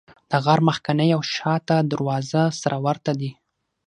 د غار مخکینۍ او شاته دروازه سره ورته دي.